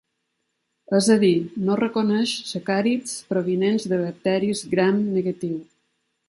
És a dir, no reconeix sacàrids provinents de bacteris gram negatiu.